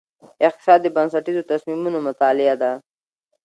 اقتصاد د بنسټیزو تصمیمونو مطالعه ده.